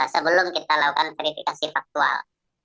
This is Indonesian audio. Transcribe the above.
sebelum kita lakukan verifikasi faktual